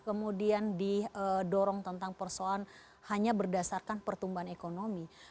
kemudian didorong tentang persoalan hanya berdasarkan pertumbuhan ekonomi